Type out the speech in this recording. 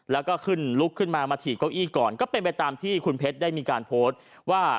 แล้วก็ขึ้นลุกขึ้นมามาถีบเก้าอี้ก่อนก็เป็นไปตามที่คุณเพชรได้มีการโพสต์ว่า